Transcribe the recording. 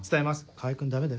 川合君ダメだよ。